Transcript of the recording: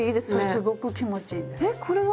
すごく気持ちいいです。